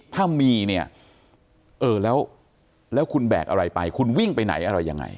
ถ้ามีเนี่ยเออแล้วคุณแบกอะไรไปคุณวิ่งไปไหนอะไรยังไง